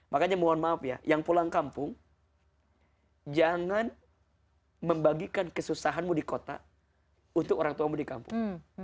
makanya mohon maaf ya yang pulang kampung jangan membagikan kesusahanmu di kota untuk orang tuamu di kampung